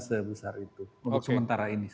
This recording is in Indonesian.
sebesar itu untuk sementara ini